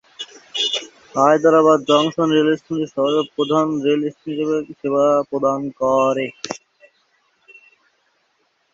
Hyderabad junction রেলস্টেশনটি শহরের প্রধান রেল স্টেশন হিসাবে সেবা প্রদান করে।